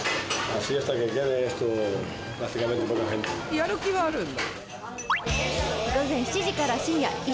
やる気はあるんだ。